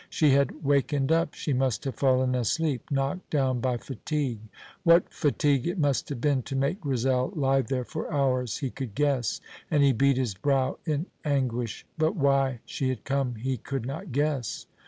She had wakened up. She must have fallen asleep, knocked down by fatigue. What fatigue it must have been to make Grizel lie there for hours he could guess, and he beat his brow in anguish. But why she had come he could not guess.